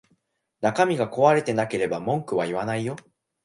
中身が壊れてなければ文句は言わないよ